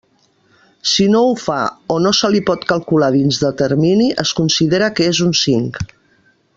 Si no ho fa o no se li pot calcular dins de termini, es considera que és un cinc.